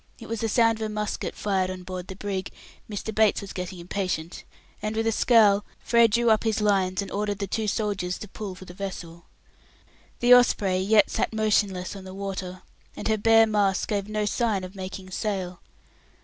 It was the sound of a musket fired on board the brig: Mr. Bates was getting impatient; and with a scowl, Frere drew up his lines, and ordered the two soldiers to pull for the vessel. The Osprey yet sat motionless on the water, and her bare masts gave no sign of making sail.